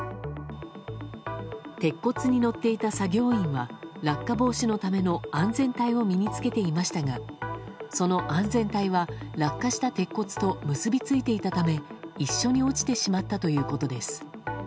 鉄骨に乗っていた作業員は落下防止のための安全帯を身に着けていましたがその安全帯は落下した鉄骨と結びついていたため一緒に落ちてしまったということです。